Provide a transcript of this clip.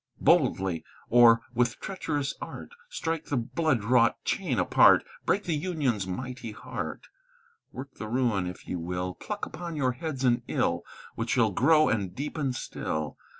"Boldly, or with treacherous art, Strike the blood wrought chain apart; Break the Union's mighty heart; "Work the ruin, if ye will; Pluck upon your heads an ill Which shall grow and deepen still.